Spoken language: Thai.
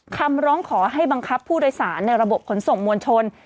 คำร้องขอให้บังคับผู้โดยสารในระบบขนส่งมวลชน